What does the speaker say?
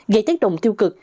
gây tác động tiêu cực